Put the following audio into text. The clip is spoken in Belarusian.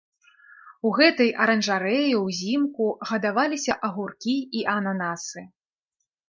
У гэтай аранжарэі ўзімку гадаваліся агуркі і ананасы.